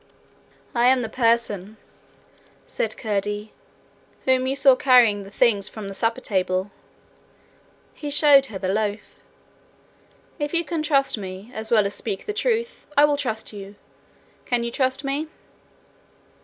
'I am the person,' said Curdie, whom you saw carrying the things from the supper table.' He showed her the loaf. 'If you can trust, as well as speak the truth, I will trust you. Can you trust me?'